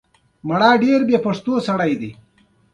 لرګی د کور دننه ښکلا زیاتوي.